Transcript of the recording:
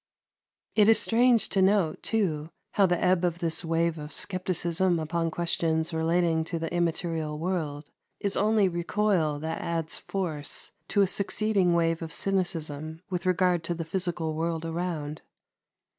125. It is strange to note, too, how the ebb of this wave of scepticism upon questions relating to the immaterial world is only recoil that adds force to a succeeding wave of cynicism with regard to the physical world around.